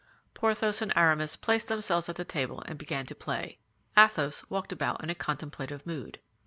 Porthos and Aramis placed themselves at the table and began to play. Athos walked about in a contemplative mood.